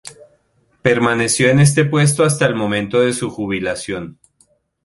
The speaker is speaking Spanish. Permaneció en este puesto hasta el momento de su jubilación.